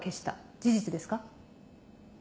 事実ですか？